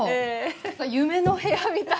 夢の部屋みたい。